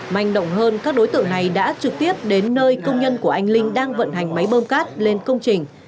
manh động hơn các đối tượng này đã trực tiếp đến nơi công nhân của anh linh đang vận hành máy bơm cát lên công trình